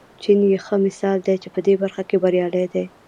چین یې ښه مثال دی چې په دې برخه کې بریالی دی.